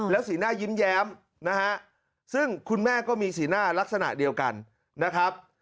สีหน้ายิ้มแย้มนะฮะซึ่งคุณแม่ก็มีสีหน้าลักษณะเดียวกันนะครับ